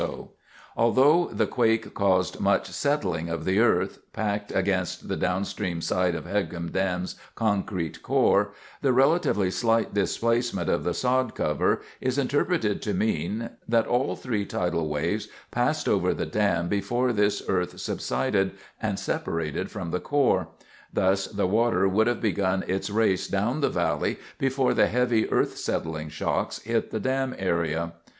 ] Hebgen Lake Hebgen Fault Red Canyon Fault Although the quake caused much settling of the earth packed against the downstream side of Hebgen Dam's concrete core, the relatively slight displacement of the sod cover is interpreted to mean that all three tidal waves passed over the dam before this earth subsided and separated from the core. Thus the water would have begun its race down the valley before the heavy earth settling shocks hit the dam area.